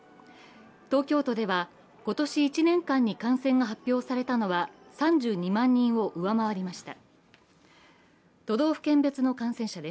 東京都では、今年１年間に感染が発表されたのは３２万人を上回りました。